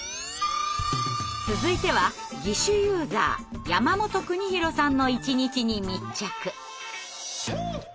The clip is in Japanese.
続いては義手ユーザーやまもとくにひろさんの一日に密着。